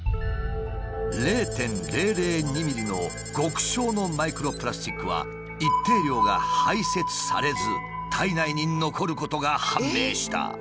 ０．００２ｍｍの極小のマイクロプラスチックは一定量が排せつされず体内に残ることが判明した。